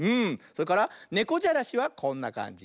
それからねこじゃらしはこんなかんじ。